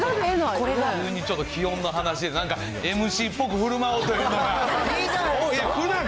急にちょっと気温の話で、なんかＭＣっぽくふるまおうというのが。